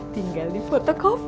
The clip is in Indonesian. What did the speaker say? tinggal di porto kopi